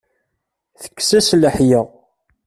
Tekkes-as leḥya.